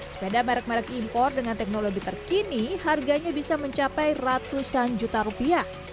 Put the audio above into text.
sepeda merek merek impor dengan teknologi terkini harganya bisa mencapai ratusan juta rupiah